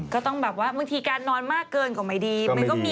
ก็ต้องแบบว่าบางทีการนอนมากเกินก็ไม่ดี